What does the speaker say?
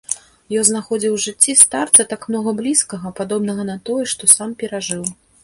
Ён знаходзіў у жыцці старца так многа блізкага, падобнага на тое, што сам перажыў.